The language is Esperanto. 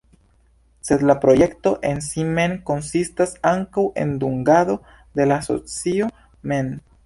Sed la projekto en si mem konsistas ankaŭ en dungado en la asocio mem.